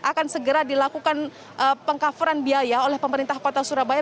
akan segera dilakukan pengcoveran biaya oleh pemerintah kota surabaya